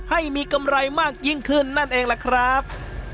ให้มีกำไรมากยิ่งขึ้นนั่นเองล่ะครับ